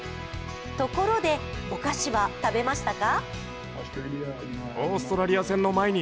ところで、お菓子は食べましたか？